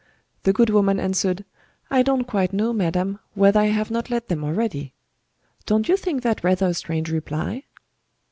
The good woman answered: 'I don't quite know, madam, whether I have not let them already.' Don't you think that rather a strange reply?"